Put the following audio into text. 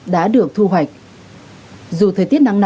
đã được thu hoạch